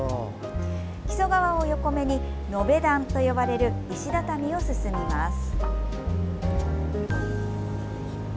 木曽川を横目に延段と呼ばれる石畳を進みます。